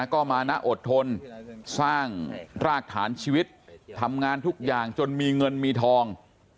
ก็มานะอดทนสร้างรากฐานชีวิตทำงานทุกอย่างจนมีเงินมีทอง